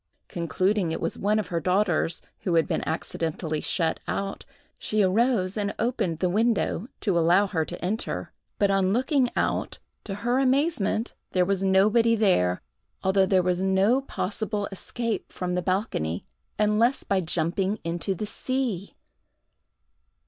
Concluding it was one of her daughters, who had been accidentally shut out, she arose and opened the window, to allow her to enter; but on looking out, to her amazement there was nobody there, although there was no possible escape from the balcony unless by jumping into the sea!